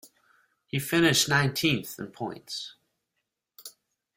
He finished nineteenth in points.